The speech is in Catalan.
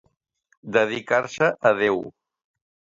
Dedicar-se a Déu.